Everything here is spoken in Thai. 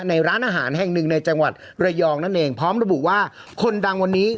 ในร้านอาหารแห่งหนึ่งในจังหวัดระยองนั่นเองพร้อมระบุว่าคนดังวันนี้